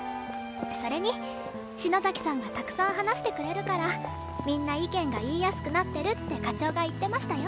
それに篠崎さんがたくさん話してくれるからみんな意見が言いやすくなってるって課長が言ってましたよ。